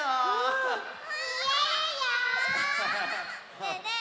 ねえねえ